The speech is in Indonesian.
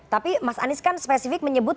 tapi mas anies kan spesifik menyebut